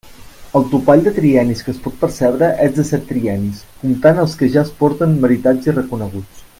El topall de triennis que es pot percebre és de set triennis, comptant els que ja es porten meritats i reconeguts.